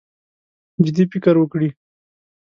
جدي فکر وکړي.